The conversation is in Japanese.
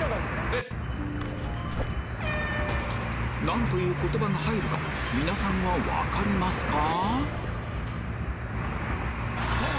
何という言葉が入るか皆さんは分かりますか？